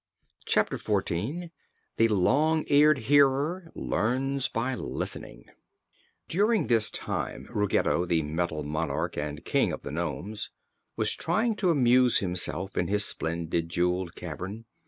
Chapter Fourteen The Long Eared Hearer Learns by Listening During this time Ruggedo, the Metal Monarch and King of the Nomes, was trying to amuse himself in his splendid jeweled cavern.